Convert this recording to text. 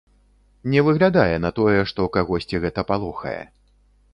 Не выглядае на тое, што кагосьці гэта палохае.